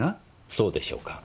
そうでしょうか？